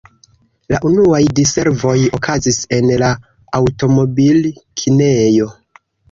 La unuaj diservoj okazis en la aŭtomobil-kinejo.